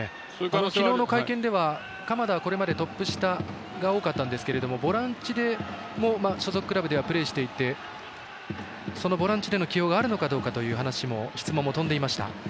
昨日の会見では鎌田は、これまでトップ下が多かったんですがボランチでも所属クラブではプレーしていてそのボランチでの起用があるのかという質問も飛んでいました。